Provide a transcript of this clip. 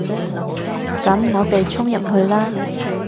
噉我哋衝入去啦